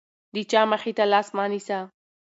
د چا مخې ته لاس مه نیسه.